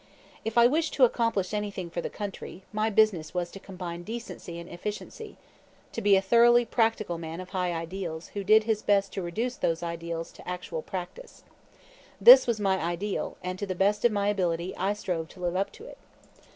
If I wished to accomplish anything for the country, my business was to combine decency and efficiency; to be a thoroughly practical man of high ideals who did his best to reduce those ideals to actual practice. This was my ideal, and to the best of my ability I strove to live up to it.